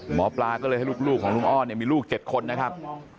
หมอปลาก็เลยให้ลูกของลุงอ้อนมีลูก๗คนนะครับ